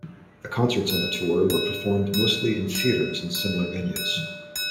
The concerts on the tour were performed mostly in theaters and similar venues.